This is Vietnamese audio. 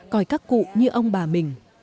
coi các cụ như ông bà mình